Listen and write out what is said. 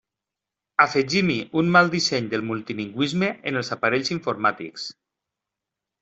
Afegim-hi un mal disseny del multilingüisme en els aparells informàtics.